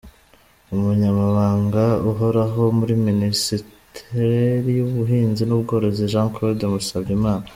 Umunyamabanga uhoraho muri Ministeri y’ubuhinzi n’ubworozi ni Jean Claude Musabyimana